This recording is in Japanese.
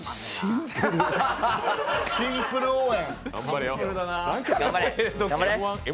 シンプル応援。